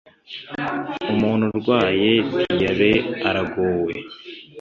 Umuntu urwaye diarrhea aragowe